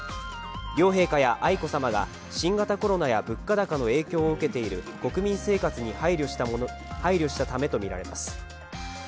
両陛下や愛子さまが新型コロナや物価高の影響を受けている国民生活に配慮したためとみられます。